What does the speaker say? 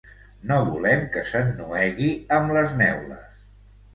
No volem que s’ennuegui amb les neules.